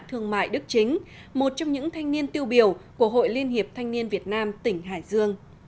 thương mại đức chính một trong những thanh niên tiêu biểu của hội liên hiệp thanh niên việt nam tỉnh hải dương